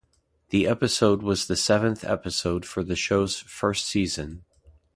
The episode was the seventh episode for the show's first season.